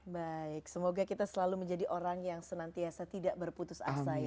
baik semoga kita selalu menjadi orang yang senantiasa tidak berputus asa ya